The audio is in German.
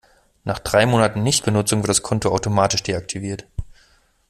Nach drei Monaten Nichtbenutzung wird das Konto automatisch deaktiviert.